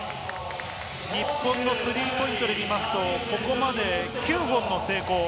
日本のスリーポイントで言いますと、ここまで９本の成功。